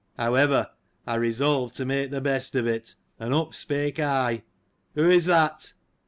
— However, I resolved to make the best of it, and up spake I. "Who is that?"